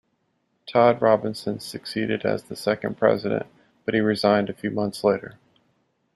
Todd Robinson succeeded as the second president, but he resigned a few months later.